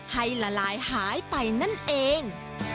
ละลายหายไปนั่นเอง